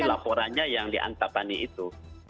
ini laporannya yang di antapani itu